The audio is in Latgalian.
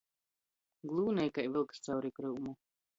Glūnej kai vylks cauri kryumu.